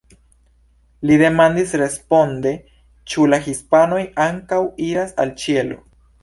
Li demandis responde: "Ĉu la hispanoj ankaŭ iras al ĉielo?